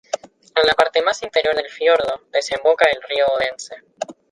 En la parte más interior del fiordo desemboca el río Odense.